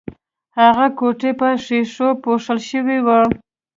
هغه کوټه په ښیښو پوښل شوې وه